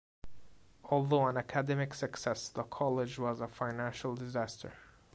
Although an academic success the college was a financial disaster.